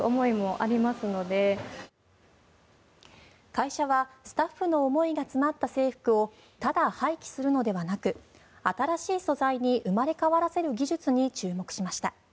会社はスタッフの思いが詰まった制服をただ廃棄するのではなく新しい素材に生まれ変わらせる技術に注目しました。